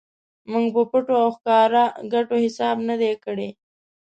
موږ په پټو او ښکاره ګټو حساب نه دی کړی.